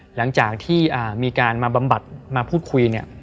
หลังจากที่มีการมาบำบัดมาพูดคุยเนี่ย